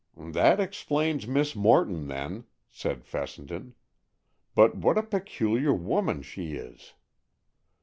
"That explains Miss Morton, then," said Fessenden. "But what a peculiar woman she is!"